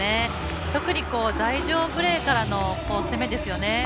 特に台上プレーからの攻めですよね。